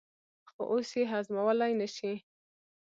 خو اوس یې هضمولای نه شي.